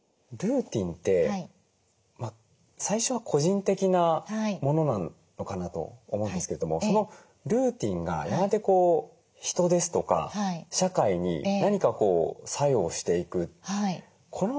ルーティンって最初は個人的なものなのかなと思うんですけれどもそのルーティンがやがて人ですとか社会に何か作用をしていく。